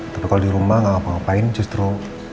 tapi kalau di rumah nggak ngapa ngapain justru